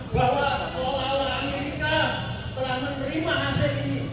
bahwa kalau allah al amin kita telah menerima hci